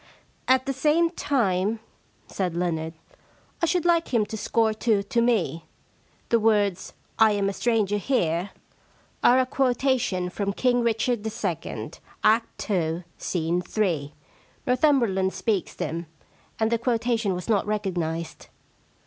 * At the same time,' said Leonard, * I should like him to score two to me. The words, I am a stranger here," are a quotation from King Richard II., Act 2, Scene iii. Northum berland speaks them. And the quotation was not recognised.'